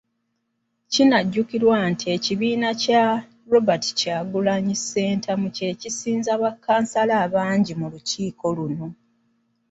Kinajjukirwa nti ekibiina kya Robert Kyagulanyi Ssentamu kye kisinza bakkansala abangi mu lukiiko luno .